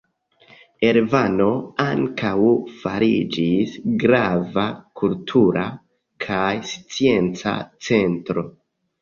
Erevano ankaŭ fariĝis grava kultura kaj scienca centro.